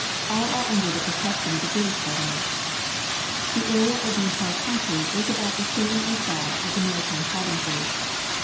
All are under the protection of the British government. The area of the entire coimtry is about the same as that of the Maritime Provinces.